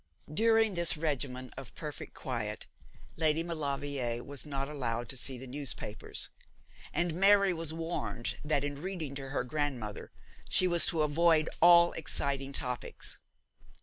During this regimen of perfect quiet Lady Maulevrier was not allowed to see the newspapers; and Mary was warned that in reading to her grandmother she was to avoid all exciting topics.